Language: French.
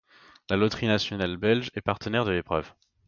La loterie nationale belge est partenaire de l'épreuve.